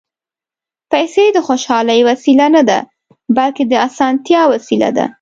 پېسې د خوشالۍ وسیله نه ده، بلکې د اسانتیا وسیله ده.